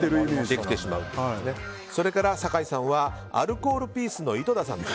それから酒井さんはアルコールピースのいとださんと。